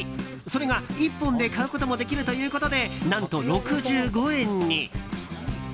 それが１本で買うこともできるということで何と、６５円に。